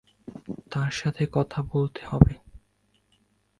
তার সাথে কথা বলতে হবে।